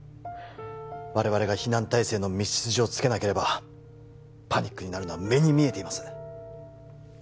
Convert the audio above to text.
我々が避難体制の道筋をつけなければパニックになるのは目に見えています